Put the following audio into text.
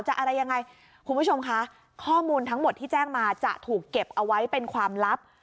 อะไรยังไงคุณผู้ชมคะข้อมูลทั้งหมดที่แจ้งมาจะถูกเก็บเอาไว้เป็นความลับ